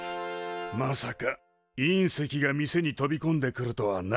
まさか隕石が店に飛びこんでくるとはな。